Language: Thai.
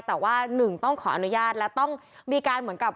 แต่ว่าหนึ่งต้องขออนุญาตและต้องมีการเหมือนกับ